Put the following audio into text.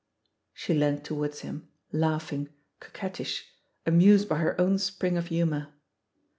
She leant towards him, laugh ing, coquettish, amused by her own spring of himiour.